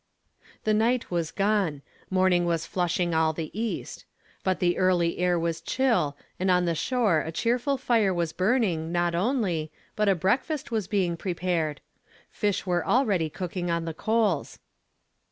The night was gone; morning was flushing all the east ; but the early air was chill, and on the shore a cheerful fire was burning, not only, but a breakfast was being prepared. Fish were already cooknig on the coals.